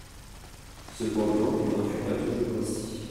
Cependant Il n’en fut pas toujours ainsi…